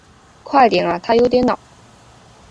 快点啊他有点恼